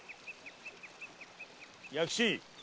・弥吉！